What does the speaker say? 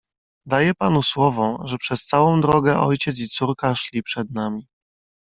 "Daję panu słowo, że przez całą drogę ojciec i córka szli przed nami."